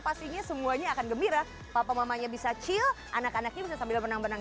pastinya semuanya akan gembira papa mamanya bisa chill anak anaknya bisa sambil menang benang